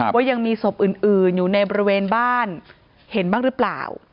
ว่ายังมีศพอื่นอยู่ในบริเวณบ้านเห็นบ้างหรือเปล่า